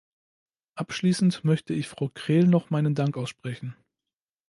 Abschließend möchte ich Frau Krehl noch meinen Dank aussprechen.